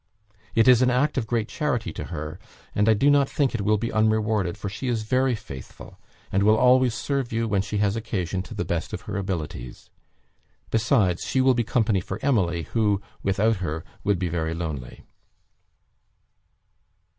"It is an act of great charity to her, and I do not think it will be unrewarded, for she is very faithful, and will always serve you, when she has occasion, to the best of her abilities; besides, she will be company for Emily, who, without her, would be very lonely."